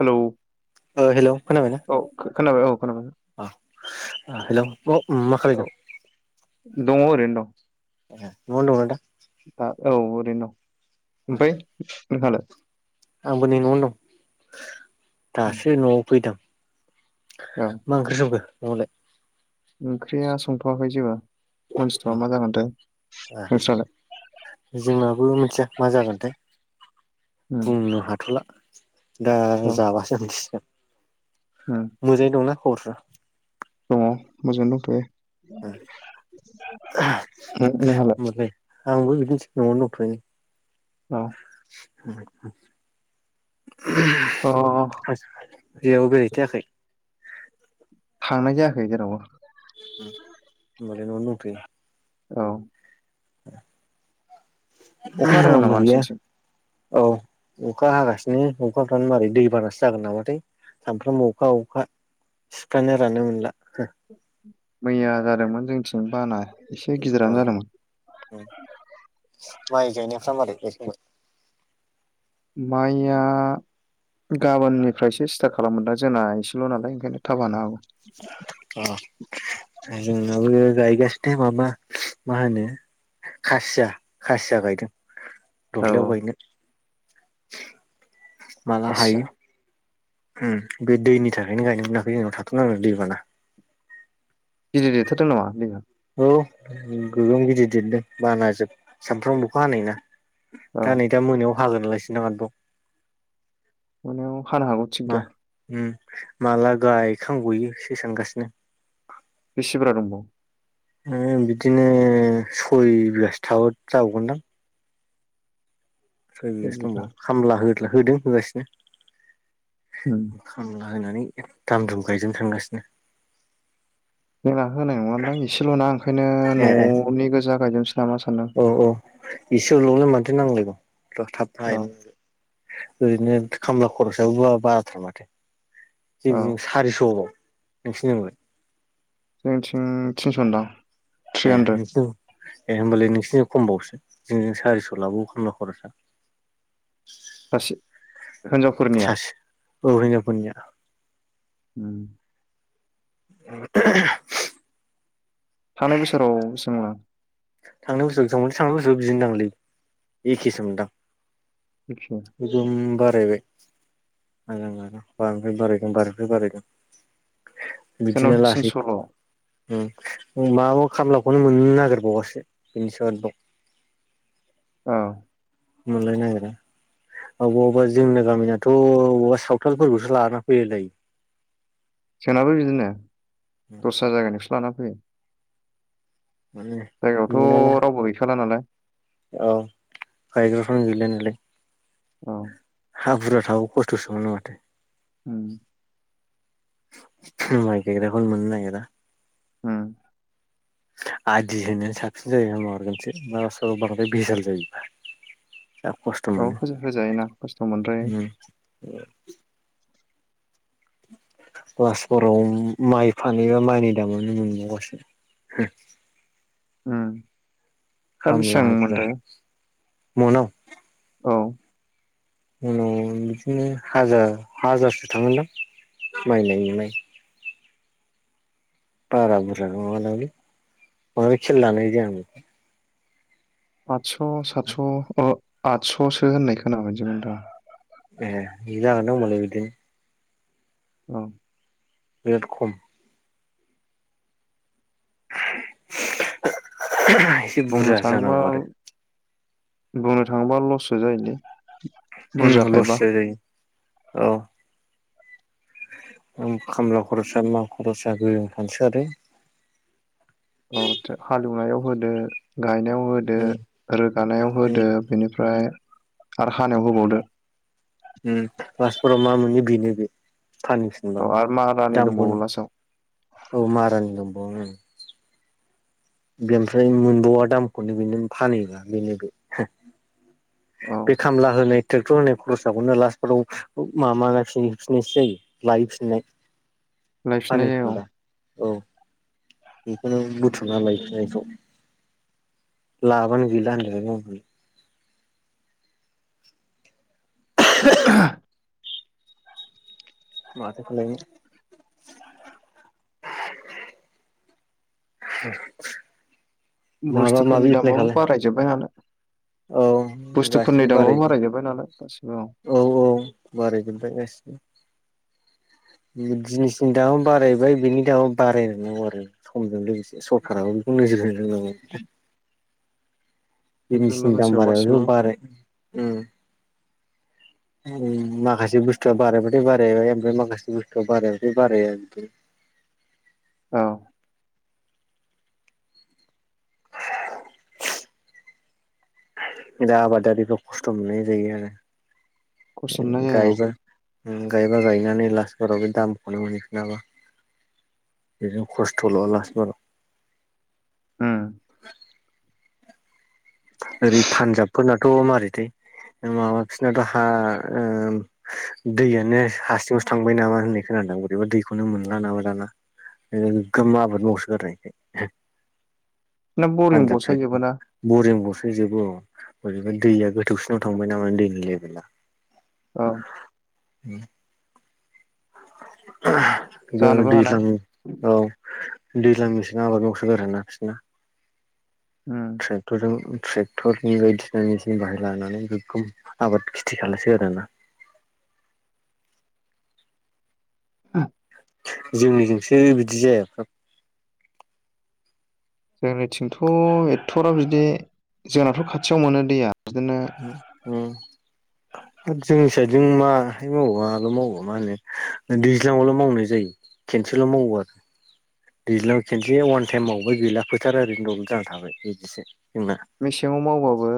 Hello ओ hello खोनाबायना? औ खोनाबाय औ खोनाबाय। अ ओ हेलौ अ उम मा औ खालामदों? दङ ओरैनो दं। ए न'आवनो दंना दा आ औ ओरैनो दं दा ओमफाय नोंथाङालाय? आंबो नै न'आवनो दं दासो न'आव फैदों। औ मा ओंख्रि संखो न'आवलाय? ओंख्रिया संथ'वाखै जेबो। मानसिथ'वा मा जागोनथाय नोंस्रालाय? उम मिथिया मा जागोनथाय बुंनो हाथ'ला। दा औ जाबासो मिथिगोन। मोजाङै दंना खबरफ्रा? दङ मोजां दंथ'यो। होमबालाय उम नोंहालाय? मिथि न'आवनो दंथयो। ओ [unintelligible] अ अ बेयाव [unintelligible] थांनाय जायाखै जेरावबो होमबालाय न'आवनो दंथ'यो। औ। अखा हादोंमोन नामा नोंसोरनिथिं [unintelligible] औ अखा हागासिनो अखाफ्रानो मारै दै बानासो जागोन नामाथाय। सामफ्राम अखा अखा सिफ्रानो राननो मोनला। मैया जादोंमोन जोंनिथिं बाना एसे गिदिरानो जादोंमोन। माय गायनायफ्रा मारै नोंसिनिथिं? माइया गाबोननिफ्रायसो सिटार्ट खालामोन दा जोंना एसेल' नालाय ओंखायनो थाब हानो हागौ। अ जोंनाबो गायगा बे माबा मा होनो खासिया खासिया गायदों। औ दलहायाव गायनो। माला आस्सा हायो। होम बे दैनि थाखायनो गायनो मोनाखै जोंनाव थाथ'नांदों दैबाना। गिदिर देरथारदों नामा दैया? औ गोगोम गिदिर देरदों बान जों सानफ्रामबोखौ हानाय ना। औ दा नै दा मोनायाव हागोन नालायसै [unintelligible] मोनायाव हानो हागौ थिग गैया। उम माला गायखां गयोसो सानगासिनो। बेसि बुरजा दंबावो? ओ बिदिनो सय बिगासो था जाबावगोनदां। सय एक बिगासो बिघा दंबावो खामला हो होदों होगासिनो उम खामला होनानै दाम दुम गायजेन थांगासिनो। जोंना होनाय नङा दां इसेल'ना ए ओंखायनो ए न'नि गोजा गायदों। औ औ एसे लवालाय मानथो नांलायगौ थाब औ गायनो [unintelligible] ओरैनो खामला खरसाबो बाराथार माथो औ जोंनिथिं सारिस'बाव। नोंसिनिथिंलाइ? जोंनिथिं थिनस' दां। ए नोसिं ए होमबालाय नोंसिं खमबावसो जों सारिस' लाबावो खामला खरसा। सासे हिनजावफोरनिया सासे औ हिनजाव फोरनिया। उम। [unintelligible] थांनाय बोसोराव बेसां लांआ? थांनाय बोसोराव बेसांमोन थांनाय बोसोरावबो बिदिनो दांलै एखेसो मोनदां। एखे जुमबात। गायबाय आजां गाजां बारनिफ्राय बारायगोन बारनिफ्राय बारायगोन। जोंनाव बिदिनो लासै थिनस'ल' औ उम। माबा खामलाखौनो मोननो नागिरबावासो बेनि सायाव आरोबाव। औ। मोनलायनो नागिरा। अबाव अबेबा जोंनि गामिनाथ' अबावबा सावथालफोरखौसो लानानानै फैयोलाय। जोंनाबो बिदिनो दस्रा जायगानिसो लाना फैयो। माने जायगायावथ' मोनाना रावबो गैखाला नालाय। औ गायग्राफ्रानो गैला नालाय। औ। हा बुरजा थाबो खस्थ'सोमोनो माथो। उम। माय गायग्राफोर मोननो नायगिरा। होम। आदि होनायानो साबसिन जायो मारगोनसो बांद्राय भजाल जायोबा जा खस्थ औ मानो होजा होजायोना खस्थ' मोनद्रायो हुम [inaudible] [unintelligible] फानैहबा माइनि दामनो मोनबावगासो उम दा खामला हाजिरा बेसेबांमोनथाय मनाव औ उनाव बिदिनो हाजार हाजारसो थांगोनदां माइनायनि मनाइ बारा बुरजा नङादांलै बांद्राय खेल लानाय जाया आं आडस सतस ओ आडससो होननाय खोनाबायजोंदां ए बिनो हागोनदां ओमबालाय बिदिनो औ बिराद खम एसे बुंनो बुरजा थाङोबा जानांगौ आरो बुंनो थाङोबा लससो जायोलै उम लस बुरजाखायबा जायो औ उम खामला खरसा मा खरसा गोजों थानोसै आरो अ हालएवनायाव होदो गायनायाव होदो आरो रोगानायाव होदो बेनिफ्राय आरो हानायाव होबावदो उम बासपुराव मा मोनो बिनो बे फाननोफिनबा औ आरो मारानि दंबावो दामखौनो लास्टाव औ मारानि दंबावोनो बेनिफ्राय मोनबावा दामखौनो बेनो फानहैबा बेनो बे अ बे खामला होनाय ट्रेक्टर होनाय खरसाखौनो लास्टफोराव मा--मम हैफिनायसो जायो लायफिननयसो जायो सनाय लायफिननाय जायो औ फानहैफिनबाऔ बेखौनो बुथुमना लाय खौ लाबानो गैला होन्दोलाय [inaudible] माथोखालायनो [inaudible] माबा बुस्थुफोरनि माबि एप्लाइ दामावबो खालाय बारायजोबबाय नालाय औ बुस्थुफोरनि गासिबो दामाबो बारायजोब्बाय नालाय गासिबो औ बारायदोऔ--औ बारायजोबबाय गासिबो [inaudible] जिनिसनि दामा बारायबाय बेनि दामा बारायलनांगौ आरो समजों लोगोसे सरखाराबो बुंनो [unintelligible] समजों बिजनेसनि लोगोसे दाम गासिबो बाराय--बाराय उम माखासे बुस्थुआ बारायबाथाय बारायबाय ओमफ्राय माखासे बुस्थुआ बारायबाथाय बारया बिदिनो [inaudible] औ दा आबादारिद खस्थ मोनाय जायो आरो खरस मोननाय जायो गयबा उम गायबा गायनानै ला मासफोराव बे दामखौनो मोनहैफिनाबा बेजों खस्थल लासबाराव औ ओरै पान्जाबफोरनाथ मारैथाय माबा फिसोरनाथ हा--ओ दैयानो हारसिङसो थांबाय नामा होननाय खोनादों दां बिदिबा दैखौनो मोनला नामा दाना गोगोम आबाद मावसो गारो बेखै नों बरिं फान्जाब बसायजोबो साइदखै ना बरिंबो फैजोबो बेबा दैया गोथौसिनाव थांबाय नामा दैनि लेभेला औ। [unintelligible] जानोबो हानाय दैज्लाङो औ। दैज्लां मेसें आबाद मावसो गारोना बिसोरना उम ट्रेक्टरजों ट्रेक्टरनि बायदिसिना मेचन बाहायलानानै बेखौ आबाद खिथि खालायसै गारो आरोना [unintelligible] जोंनिजोंसो बिदि जाया। जोंनिथिंथ' एथ'रा बिदि जोंनाथ' खाथियाव मोनो दैया। बिदिनो उम जोंनि साइडजों नंङा है मावा आ' मावा मा होनो दैज्लाङावल' मावनाय जायो। खेनसेल' मावो आरो। दैज्लांव खेनसे अवान टाइम बावबाय गैला फोथारा ओरैनो दबद जानानानै थाबाय बिदिसो। जोंना मेसेङाव मावबाबो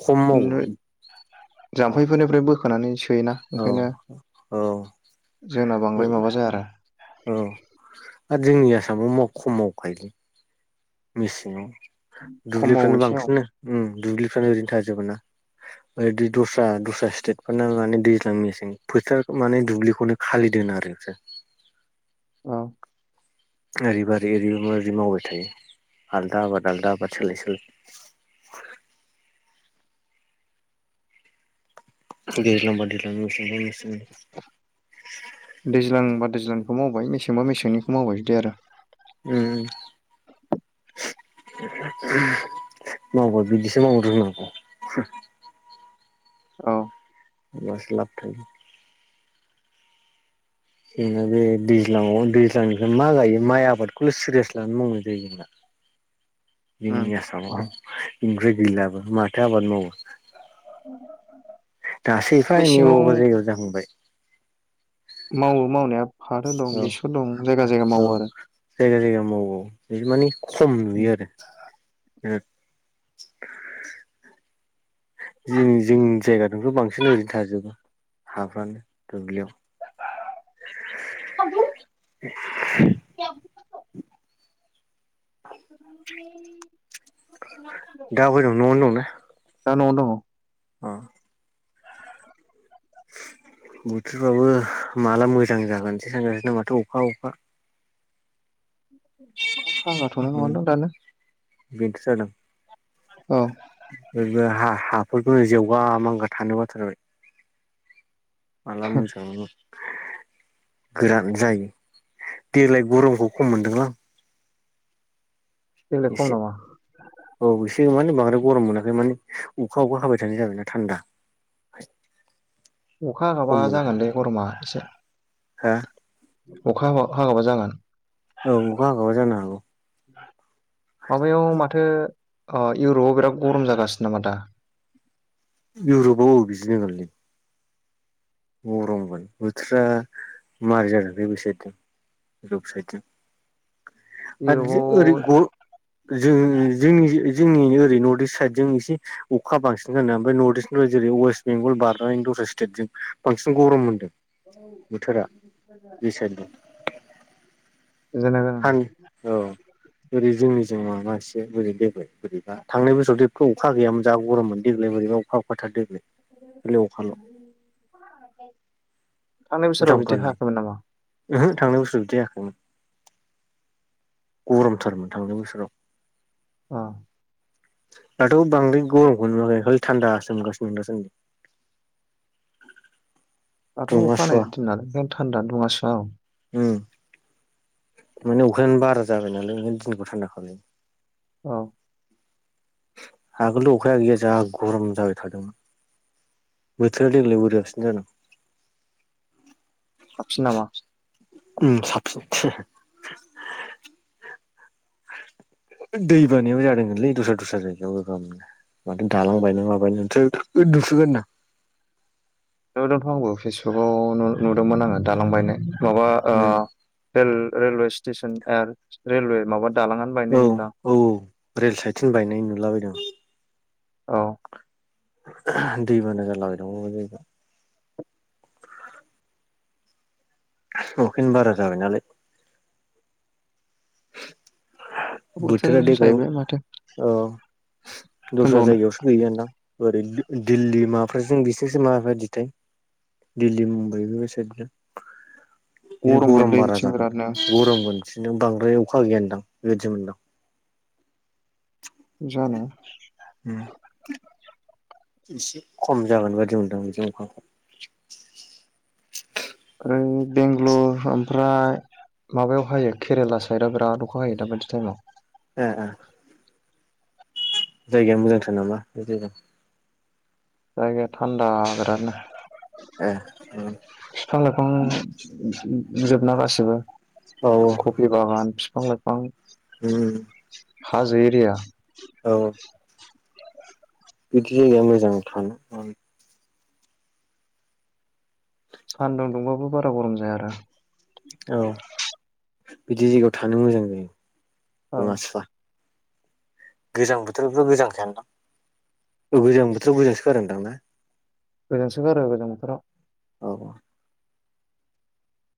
खम मावो औ जाम्फैफोरनिफ्राय बोखोनानै सो योना औ ओंखायनो औ जोंना बांद्राय माबा जाया आरो औ आरो जोंनि आसामाव खम मावखायोलै। मेसेंङाव खम मावो दुब्लिफ्रानो एसे औ बांसिनानो दुब्लिफ्रानो ओरैनो थाजोबो ना? ओ दै दस्रा दस्रा स्टेट फोरना माने दैज्लां मसिं फोथार माने दुब्लिखौनो खालि दोना आरो बिसोर औ। ओरैबा ओरै ओरै ओरै मावबाय थायो आलदा आबाद आलदा आबाद सोलाय सोलाय। दैज्लांबा दैज्लां मेसेंबा मेसें दैज्लां बा दैज्लांनिखौ मावबाय मेसेंबा मेसेंनिखौ मावबाय बिदि आरो उम [unintelligible] औ। होमबासो लाब थायो जोंना बे दैज्लाङाव दैज्लांनिफ्राय मा गायो माइ आबादखौल' सिरियास लानानै मावनाय जायो जोंना। उम जोंनि आसामाव फ्राय गैलाबो माथो आबाद मावो। दासो एफा नै मेसेङाव अबेबा जायगायाव जाहांबाय मावो मावनाया फाथो औ दं बेसर दं। जायगा जायगा औ मावो आरो जायगा जायगा मावो। बि मानि खम नुयो आरो। [unintelligible] जों जोंनि जायगाजोंथ' बांसिन ओरैनो थाजोबो हाफ्रानो दुब्लियाव [unintelligible] [unintelligible] [unintelligible] दा बहाय दं न'आवनो दंना? दा न'आव दङ औ। बोथोरफ्राबो माला मोजां जागोनसै सानगासिनोना माथो अखा अखा हागाथ'नाय मोन नङा दां दानो। बेनोथ' जादों औ हा हाफोरखौ जवगा मा थानोबाथारबाय। माला मोसांनो गोरान जायो देग्लाय गरमखौ खम मोनदोंलां देग्लाय खम एसे नामा औ एसे मान बांद्राय गरम मोनाखै माने अखा अखा हाबाय थानाय जाबायना थान्दा अखा हागाबा खम मोनदां जागोन दे गरमा एसे हा अखा हाब हागाबा जागोन औ अखा हागाबा जानो हागौ माबायाव माथो इउरपाव बिराद गरम जागासिनो नामा दा इउरपआव अ बिदि जङलै गरममोन बोथोरा मारै जादों बे बै सायेदजों साइथिं आरो ओरै इउरपआव [unintelligible] जों जोंनि जोंनि ओरै नर्थ इस्ट साइड जों एसे अखा बांसिन जा ओमफ्राय नर्थ इस्टनिफ्राय जेरै ववेस्ट बेंगल बारनानै दस्रा स्टेटजों बांसिन गरम मोनदों बोथोरा बे साइडबो जेनेबा औ ओरै जोंनि जों मा एसे बोरै देग्लाय बोरैब थांनाय बोसोरावेखौ अखा गैयामोन जा गरममोन देग्लाय बोरैबा अखा अखााथार देग्लाय खालि अखाल'' थांनाय उल्था बोसोराव मुल्था बिदि जादों। होआखैमोन नामा ओहो थांनाय बोसोराव बिदि हायाखैमोन गरमथारमोन थांनाय बोसोराव अ दाथ' बांद्राय गरमखौ नुवाखै खालि थान्दासो मोनगासिनो दा सानदि दाथ' दुङा अखाहानाय सुवा दिन नालाय ओंखायनो थान्दानो दंङासो औ उम माने अखायानो बारा जाबाय नालाय‌ ओंखायनो दिनखौ थान्दा खालायो औ आगोलथ' अखाया गैया जा गरम जाबाय थादोंमोन। बोथोर देग्लाय बोरियासिनो जादों आबसि‌ नामा उम [unintelligible] दै बानायाबो जादोंमोनलै दस्रा दस्रा जायगायाव गोगोमनो। माथो दालांबायलांला [unintelligible] थ' आंबो फेसबुकाव नुदोंमोन आङो दालांबायनाय माबा ओ उम टेल रेलवे स्टेसन रेलवे माबा दालाङानो औ बायनाय नुदां औ औ रेल साइदथिं बायनाय नुलाबायदों औ दैबाना जाला बायदों [unintelligible] अखायानो‌ बारा जाबाय नालाय। बोथोरा बोथोरासो देग्लाय ओ जाहैबाय माथो दुस्रा होनबावनो जायगावस गैया नोंदां। ओरै दिल्ली माफोरजों बिसोरांसो माबादिथाय दिल्ली मुमबाय बेफोर सायेदनिया बे गरम गोलै बारा बिथिं जागोन बिरादनो गरमबो बिसिजों बांद्राय अखा गैयानोदां बेबायदि मोनदां जानो हम एसे खम जागोन बादि मोनदों आं बैजाय अखाखो ओमफ्राय बेंग्लर‌ ओमफ्राय माबायाव हायो केरेला साइडआव बिराद अखा हायो दा बायदि टायेमाव ए ए जायगाया मोजांथार नामा बे जायगायाव जागाया थान्दा बेरादनो ए ओम बिफां लाइफां जोबना गासिबो औ कफि बागान बिफां लाइफां उम हाजो एरिया औ बिदि जायगाया मोजां थानो माबायदि सान्दुं दुंबाबो बारा गरम जाया आरो। औ बिदि जायगायाव थानो मोजां जायो औ दुङा सुवा। गोजां बोथोरफोराव गोजां खायानदां औ गोजां बोथोराव गोजांसो गारोनदां ना? गोजांसोगारो गोजां बोथोराव। औ औ